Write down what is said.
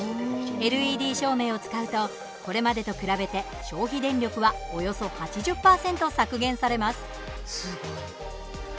ＬＥＤ照明を使うとこれまでと比べて、消費電力はおよそ８０％削減されます。